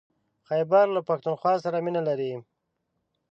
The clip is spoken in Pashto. خيبر له پښتونخوا سره مينه لري.